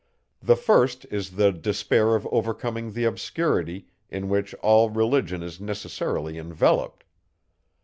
The first is the despair of overcoming the obscurity, in which all religion is necessarily enveloped.